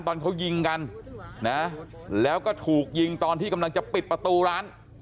ตอนเขายิงกันนะแล้วก็ถูกยิงตอนที่กำลังจะปิดประตูร้าน